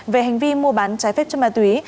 về hành vi mua bán trái phép chất ma túy